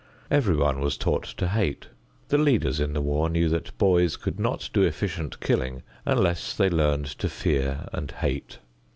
Everyone was taught to hate. The leaders in the war knew that boys could not do efficient killing unless they learned to fear and hate.